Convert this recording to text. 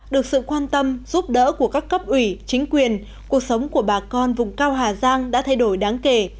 được sự quan tâm giúp đỡ của các cấp ủy chính quyền cuộc sống của bà con vùng cao hà giang đã thay đổi đáng kể